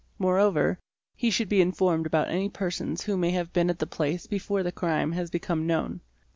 Moreover, he should be informed about any persons who may have been at the place before the crime has become known.